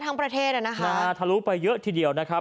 ทั้งประเทศอ่ะนะคะทะลุไปเยอะทีเดียวนะครับ